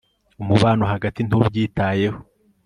umubano hagati ntubyitayeho